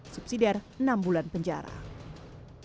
subsidiare enam bulan terakhir